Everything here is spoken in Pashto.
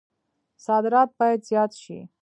صادرات باید زیات شي